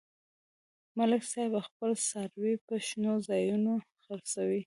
ملک صاحب خپل څاروي په شنو ځایونو څرومي.